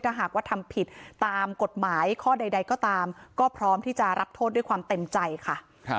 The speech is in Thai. ถ้าหากว่าทำผิดตามกฎหมายข้อใดก็ตามก็พร้อมที่จะรับโทษด้วยความเต็มใจค่ะ